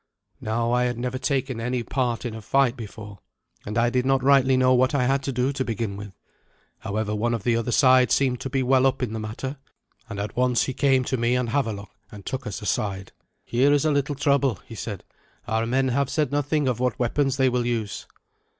Now I had never taken any part in a fight before, and I did not rightly know what I had to do to begin with. However, one of the other side seemed to be well up in the matter, and at once he came to me and Havelok and took us aside. "Here is a little trouble," he said: "our men have said nothing of what weapons they will use."